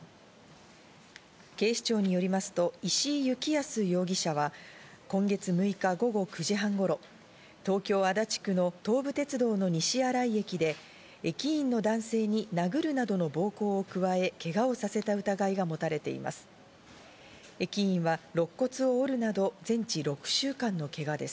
警視庁によりますと石井幸康容疑者は、今月６日午後９時半頃、東京・足立区の東武鉄道の西新井駅で、駅員の男性に殴るなどの暴行を加えけがをさせた疑いが持たれています。